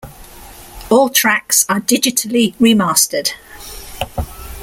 All tracks are digitally remastered.